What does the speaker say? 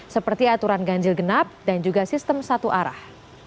seperti aturan ganjil genap dan juga sistem satu arah